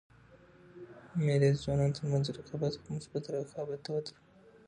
مېلې د ځوانانو تر منځ رقابت؛ خو مثبت رقابت ته وده ورکوي.